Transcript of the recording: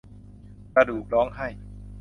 กระดูกร้องไห้